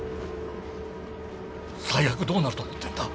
最悪どうなると思ってんだ？